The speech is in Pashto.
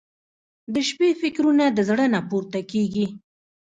• د شپې فکرونه د زړه نه پورته کېږي.